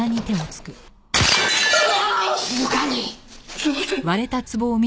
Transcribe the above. すみません。